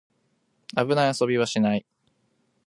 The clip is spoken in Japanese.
危ない遊びはしない